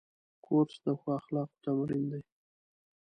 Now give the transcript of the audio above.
کورس د ښو اخلاقو تمرین دی.